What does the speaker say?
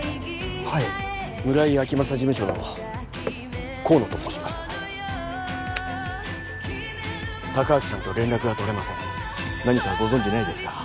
はい村井明正事務所の甲野と申します隆明さんと連絡が取れません何かご存じないですか？